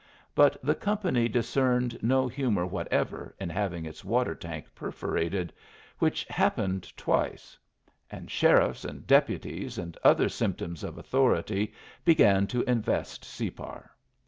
But the company discerned no humor whatever in having its water tank perforated, which happened twice; and sheriffs and deputies and other symptoms of authority began to invest Separ.